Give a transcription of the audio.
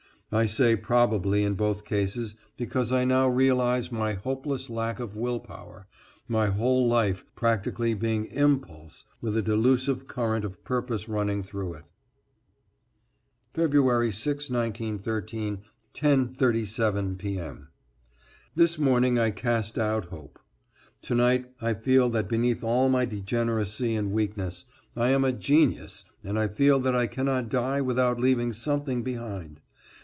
I say probably in both cases because I now realize my hopeless lack of will power, my whole life practically being impulse with a delusive current of purpose running through it. =, February 6, 1913, 10:37 P. M.= This morning I cast out hope. To night I feel that beneath all my degeneracy and weakness, I am a genius and I feel that I cannot die without leaving something behind.